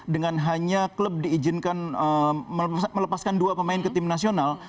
dengan hanya klub diizinkan melepaskan dua pemain ke tim nasional